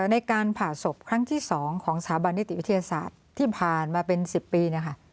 ในการผ่าศพครั้งที่๒ของสถาบันนิติวิทยาศาสตร์ที่ผ่านมาเป็น๑๐ปี